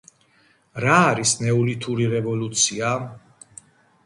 რა არის "ნეოლითური რევოლუცია"?